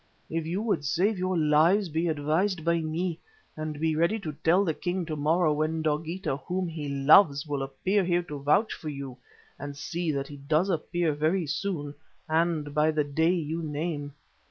If you would save your lives, be advised by me and be ready to tell the king to morrow when Dogeetah, whom he loves, will appear here to vouch for you, and see that he does appear very soon and by the day you name.